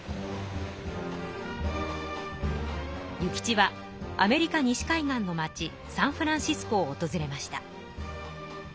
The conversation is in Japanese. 諭吉はアメリカ西海岸の町サンフランシスコをおとずれました。